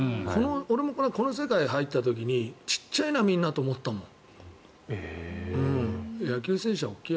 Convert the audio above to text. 俺もこの世界に入った時に小さいな、みんなって思ったもん。